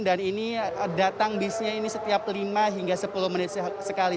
dan ini datang bisnya ini setiap lima hingga sepuluh menit sekali